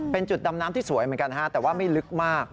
เป็นจุดดำน้ำที่สวยเหมือนกันนะฮะแต่ว่าไม่ลึกมาก